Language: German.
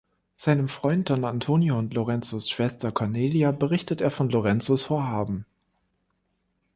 Seinem Freund Don Antonio und Lorenzos Schwester Cornelia berichtet er von Lorenzos Vorhaben.